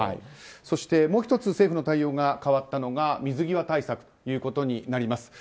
そしてもう１つ、政府の対応が変わったのが水際対策ということになります。